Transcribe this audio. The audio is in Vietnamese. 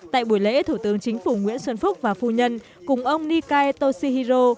tại buổi lễ thủ tướng chính phủ nguyễn xuân phúc và phu nhân cùng ông nikai toshihiro